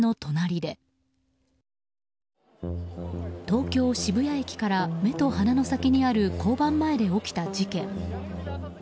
東京・渋谷駅から目と鼻の先にある交番前で起きた事件。